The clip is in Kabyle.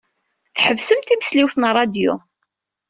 Tḥebsem timesliwt n ṛṛadyu.